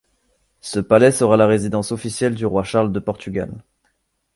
Ce palais sera la résidence officielle du roi Charles de Portugal.